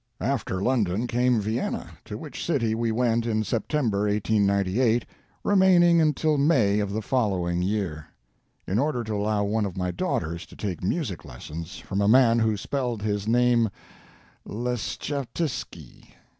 "After London came Vienna, to which city we went in September, 1898, remaining until May of the following year, in order to allow one of my daughters to take music lessons from a man who spelled his name Leschetizky.